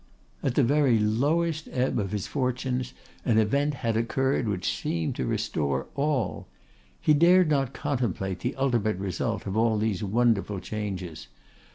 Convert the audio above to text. At the very lowest ebb of his fortunes, an event had occurred which seemed to restore all. He dared not contemplate the ultimate result of all these wonderful changes.